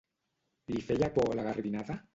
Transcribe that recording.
Li feia por la garbinada?